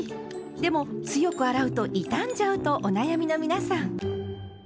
でも強く洗うと傷んじゃうとお悩みの皆さん。